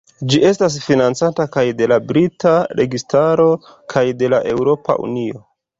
Ĝi estas financata kaj de la brita registaro kaj de la Eŭropa Unio.